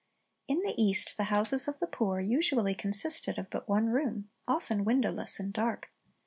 In the East the houses of the poor usually consisted of but one room, often windowless and dark.